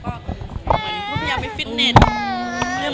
ก็คิดว่าไม่อยากใช้สาม